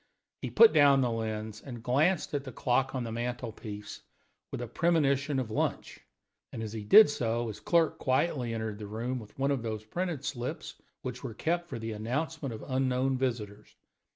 He put down the lens and glanced at the clock on the mantel piece with a premonition of lunch; and as he did so his clerk quietly entered the room with one of those printed slips which were kept for the announcement of unknown visitors.